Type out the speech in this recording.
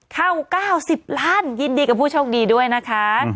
เข้า๙๐ล้านยินดีกับผู้โชคดีด้วยนะคะ